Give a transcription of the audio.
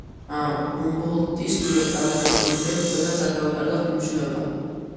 ჰუმბოლდტის მიერ წამოყენებულ იდეებს დღესაც არ დაუკარგავთ მნიშვნელობა.